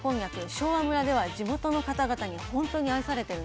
昭和村では地元の方々にほんとに愛されてるんです。